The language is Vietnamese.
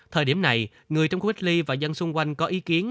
thời điểm này người trong khu cách ly và dân xung quanh có ý kiến